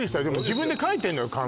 でも自分で書いてんのよ